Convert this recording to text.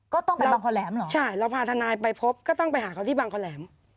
ก็ต้องไปบางคอแหลมเหรอใช่เราพาทนายไปพบก็ต้องไปหาเขาที่บางคอแหลม